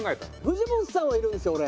藤本さんはいるんですよ俺。